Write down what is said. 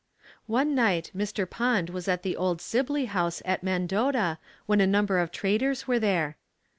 One night Mr. Pond was at the Old Sibley House at Mendota when a number of traders were there.